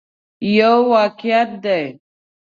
یو واقعیت دی.